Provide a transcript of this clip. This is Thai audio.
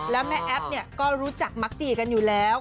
แล้วแม่แอฟก็รู้จักมักจีกันอยู่แล้ว